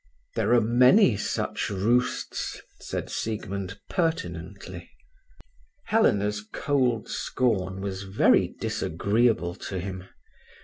"There are many such roosts," said Siegmund pertinently. Helena's cold scorn was very disagreeable to him.